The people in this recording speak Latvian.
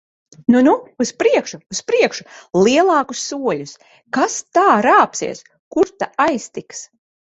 Nu, nu! Uz priekšu! Uz priekšu! Lielākus soļus! Kas tā rāpsies! Kur ta aiztiks!